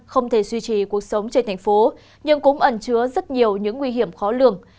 không thể duy trì cuộc sống trên thành phố nhưng cũng ẩn chứa rất nhiều những nguy hiểm khó lường